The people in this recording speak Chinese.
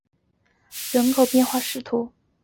莫莱昂利沙尔人口变化图示